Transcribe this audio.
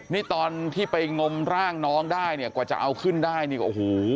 นี่ตอนที่ไปงมร่างน้องได้เนี่ยกว่าจะเอาขึ้นได้นี่โอ้โห